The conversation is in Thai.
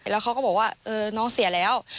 แล้วเขาก็บอกว่าน้องเสียแล้ว